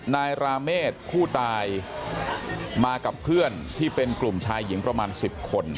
ราเมฆผู้ตายมากับเพื่อนที่เป็นกลุ่มชายหญิงประมาณ๑๐คน